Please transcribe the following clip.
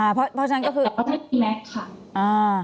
ในกล้องวงจรปิดของที่เกิดเหตุค่ะแต่ก็ไม่มีแม็กซ์ค่ะ